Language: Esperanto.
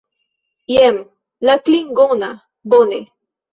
Jen la klingona, bone!